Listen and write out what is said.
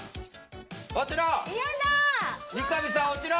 落ちろ！